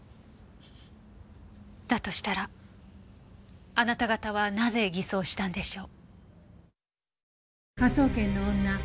だとしたらあなた方はなぜ偽装したんでしょう？